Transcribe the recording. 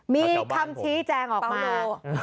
มีคำชี้แจงออกมา